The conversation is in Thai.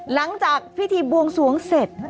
หลังจากพิธีบวงสวงเสร็จ